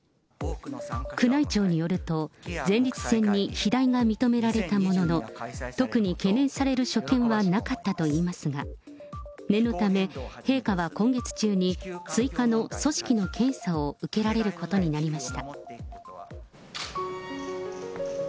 宮内庁によると、前立腺に肥大が認められたものの、特に懸念される所見はなかったといいますが、念のため、陛下は今月中に追加の組織の検査を受けられることになりました。